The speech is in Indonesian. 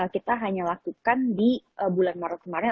kita hanya lakukan di bulan maret kemarin